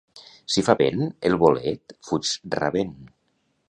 Si fa vent, el bolet fuig rabent.